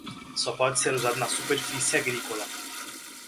Só pode ser usado na superfície agrícola.